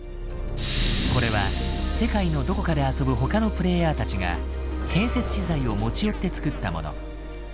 これは世界のどこかで遊ぶ他のプレイヤーたちが建設資材を持ち寄ってつくったもの。